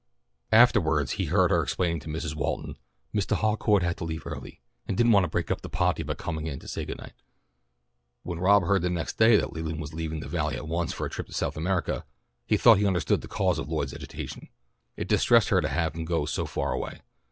Afterwards he heard her explaining to Mrs. Walton, "Mistah Harcourt had to leave early, and didn't want to break up the pah'ty by coming in to say good night." When Rob heard next day that Leland was leaving the Valley at once for a trip to South America, he thought he understood the cause of Lloyd's agitation. It distressed her to have him go so far away.